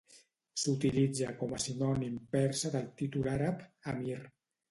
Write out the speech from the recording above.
S'utilitza com a sinònim persa del títol àrab "Amir".